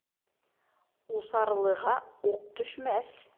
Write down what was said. Усарлыға уҡ төшмәҫ.